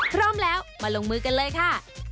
พร้อมแล้วมาลงมือกันเลยค่ะ